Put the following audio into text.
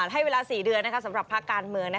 ให้เวลา๔เดือนสำหรับภาคการเมือง